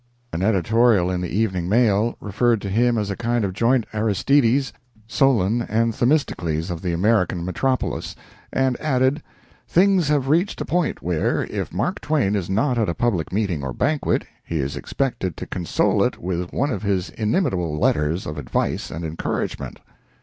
An editorial in the "Evening Mail" referred to him as a kind of joint Aristides, Solon, and Themistocles of the American metropolis, and added: "Things have reached a point where, if Mark Twain is not at a public meeting or banquet, he is expected to console it with one of his inimitable letters of advice and encouragement."